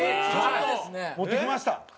持ってきました。